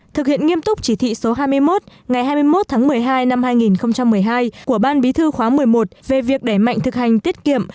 thực hiện nghiêm túc chỉ thị số hai mươi một ngày hai mươi một tháng một mươi hai năm hai nghìn một mươi hai của ban bí thư khóa một mươi một về việc đẩy mạnh thực hành tiết kiệm